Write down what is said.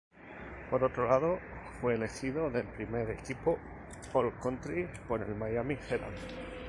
Por otro lado fue elegido del primer equipo all-country por el Miami Herald.